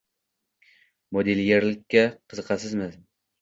- Modelyerlikka qiziqasizmi?